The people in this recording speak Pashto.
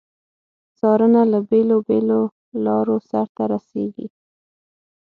څارنه له بیلو بېلو لارو سرته رسیږي.